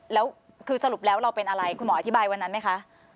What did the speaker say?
แล้วคือสรุปแล้วเราเป็นอะไรคุณหมออธิบายวันนั้นไหมคะ